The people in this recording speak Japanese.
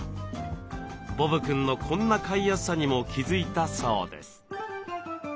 ボブくんのこんな飼いやすさにも気付いたそうです。